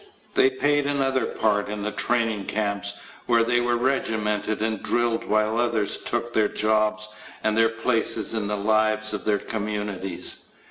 They paid another part in the training camps where they were regimented and drilled while others took their jobs and their places in the lives of their communities.